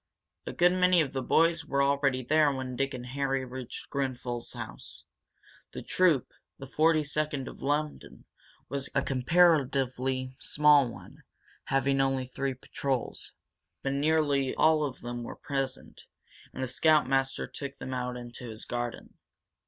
A good many of the boys were already there when Dick and Harry reached Grenfel's house. The troop the Forty second, of London was a comparatively small one, having only three patrols. But nearly all of them were present, and the scout master took them out into his garden.